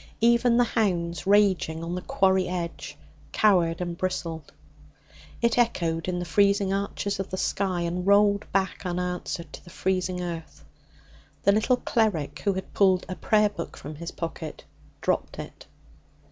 Even the hounds, raging on the quarry edge, cowered and bristled. It echoed in the freezing arches of the sky, and rolled back unanswered to the freezing earth. The little cleric, who had pulled a Prayer Book from his pocket, dropped it.